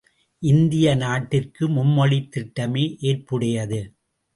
இந்திய நாட்டிற்கு மும்மொழித் திட்டமே ஏற்புடையது.